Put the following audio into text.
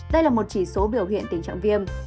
đây là một chỉ số biểu hiện tình trạng viêm